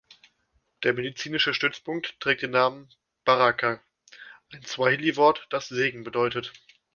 Der medizinische Stützpunkt trägt den Namen „Baraka“, ein Swahili-Wort, das „Segen“ bedeutet.